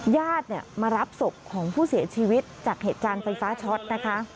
ญาติมารับศพของผู้เสียชีวิตจากเหตุการณ์ไฟฟ้าช็อตนะคะ